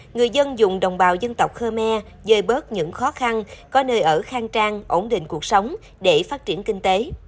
người dân dùng đồng bào dân tộc khmer dơi bớt những khó khăn có nơi ở khang trang ổn định cuộc sống để phát triển kinh tế